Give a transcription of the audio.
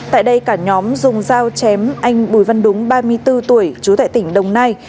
tại đây cả nhóm dùng dao chém anh bùi văn đúng ba mươi bốn tuổi trú tại tỉnh đồng nai